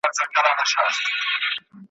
په سپینه ورځ راځم په شپه کي به په غلا راځمه ,